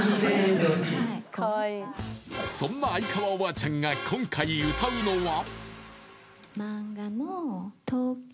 そんな相川おばあちゃんが今回歌うのは？